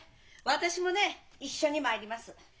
私もねえ一緒に参ります。